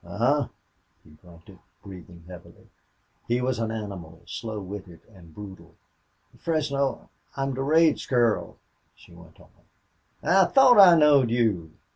"A huh!" he grunted, breathing heavily. He was an animal, slow witted and brutal. "Fresno, I am Durade's girl!" she went on. "I thought I knowed you.